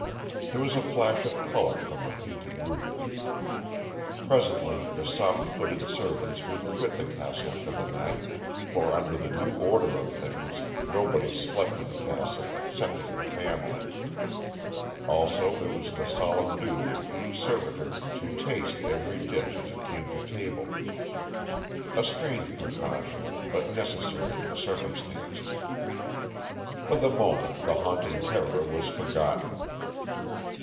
There was a flash of color from the painted roof. Presently the soft footed servants would quit the castle for the night, for under the new order of things nobody slept in the castle excepting the family. Also, it was the solemn duty of each servitor to taste every dish as it came to table. A strange precaution, but necessary in the circumstances. For the moment the haunting terror was forgotten.